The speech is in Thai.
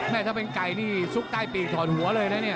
ถ้าเป็นไก่นี่ซุกใต้ปีกถอดหัวเลยนะเนี่ย